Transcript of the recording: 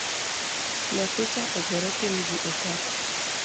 Nyathicha ogore piny gi okapu